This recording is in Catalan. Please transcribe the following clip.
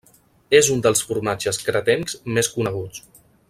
És un dels formatges cretencs més coneguts.